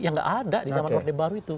yang nggak ada di zaman orde baru itu